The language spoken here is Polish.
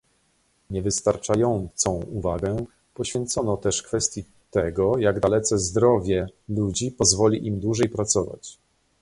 Niewystarczającą uwagę poświęcono też kwestii tego, jak dalece zdrowie ludzi pozwoli im dłużej pracować